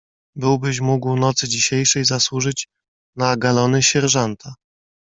"Byłbyś mógł nocy dzisiejszej zasłużyć na galony sierżanta."